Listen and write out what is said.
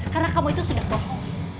karena kamu itu sudah bohong